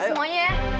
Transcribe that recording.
yaudah semuanya ya